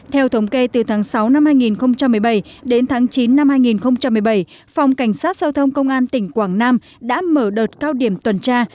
theo thống kê từ tháng sáu năm hai nghìn một mươi bảy đến tháng chín năm hai nghìn một mươi bảy phòng cảnh sát giao thông công an tỉnh quảng nam đã mở đợt cao điểm tuần tra